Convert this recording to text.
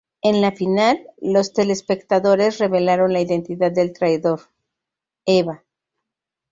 En la final, los telespectadores revelaron la identidad del Traidor: Eva.